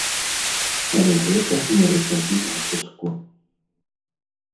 Але гэта не рычагі націску.